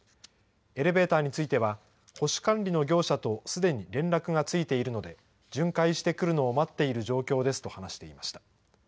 エレベーターについては、保守管理の業者と、すでに連絡がついているので、巡回してくるのを待っている状況ですと、話していました。